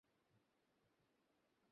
তিনি doctorate degree লাভ করেন।